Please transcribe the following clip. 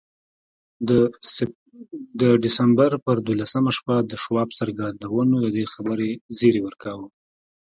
د ډسمبر پر دولسمه شپه د شواب څرګندونو د دې خبرې زيري ورکاوه.